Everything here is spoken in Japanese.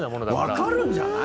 わかるんじゃない？